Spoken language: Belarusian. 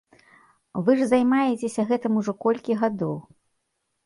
Вы ж займаецеся гэтым ужо колькі гадоў!